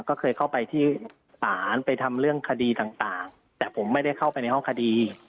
ก็เคยเข้าไปที่ศาลไปทำเรื่องคดีต่างแต่ผมไม่ได้เข้าไปในห้องคดี